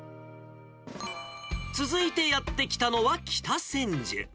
続いてやって来たのは、北千住。